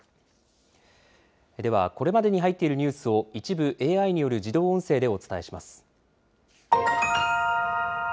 ではこれまでに入っているニュースを、一部ＡＩによる自動音声でお伝えします。